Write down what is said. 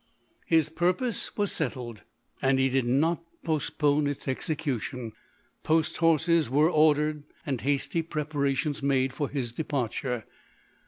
His purpose was settled, and he did not post pone its execution. Post horses were ordered, and hasty preparations made, for his departure.